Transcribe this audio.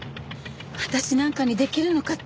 私なんかにできるのかって。